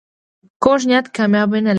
کوږ نیت کامیابي نه لري